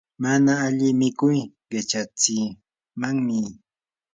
mana alli mikuy qichatsimanmi.